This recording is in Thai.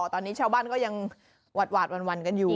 ตอนนี้ชาวบ้านก็ยังหวาดวันกันอยู่